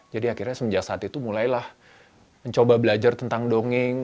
jadi akhirnya semenjak saat itu mulailah mencoba belajar tentang dongeng